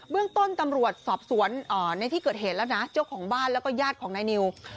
เรื่องต้นตำรวจสอบสวนในที่เกิดเหตุแล้วนะเจ้าของบ้านแล้วก็ญาติของนายนิว